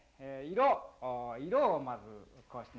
色をまずこうして見て。